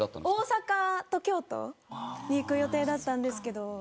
大阪と京都に行く予定だったんですけど。